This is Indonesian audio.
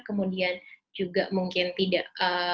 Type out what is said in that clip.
kemudian juga mungkin tidak